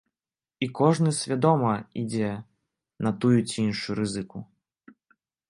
І кожны свядома ідзе на тую ці іншую рызыку.